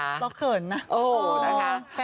เราเขินนะ